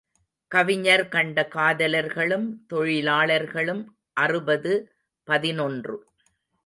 கவிஞர் கண்ட காதலர்களும் தொழிலாளர்களும் அறுபது பதினொன்று .